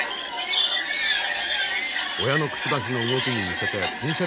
親のくちばしの動きに似せてピンセットで魚を与える。